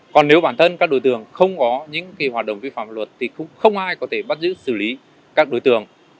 còn nếu bản thân các đội tường không có những hoạt động vi phạm pháp luật thì không ai có thể bắt giữ xử lý các đội tường